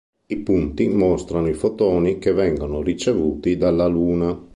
I punti mostrano i fotoni che vengono ricevuti dalla Luna.